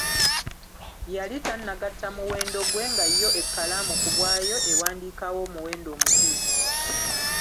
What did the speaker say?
Yali tannagatta muwendo gwe nga yo ekkalaamu ku bwayo ewandiikawo omuwendo omutuufu.